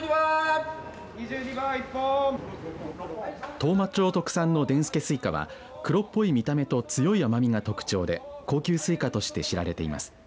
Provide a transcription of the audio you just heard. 当麻町特産のでんすけすいかは黒っぽい見た目と強い甘みが特徴で高級スイカとして知られています。